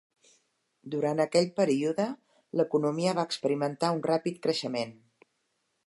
Durant aquell període, l'economia va experimentar un ràpid creixement.